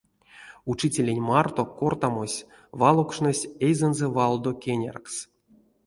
Учителенть марто кортамось валокшнось эйзэнзэ валдо кеняркс.